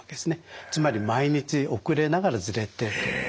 つまり毎日遅れながらズレてるという。